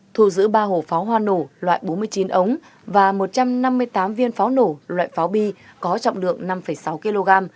thu giữ ba hộp pháo hoa nổ loại bốn mươi chín ống và một trăm năm mươi tám viên pháo nổ loại pháo bi có trọng lượng năm sáu kg